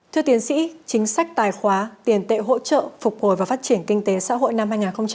thưa tiến sĩ chính sách tài khoá tiền tệ hỗ trợ phục hồi và phát triển kinh tế xã hội năm